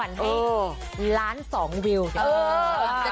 เออมีล้านสองดิวเออเออ